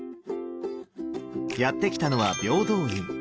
やって来たのは平等院。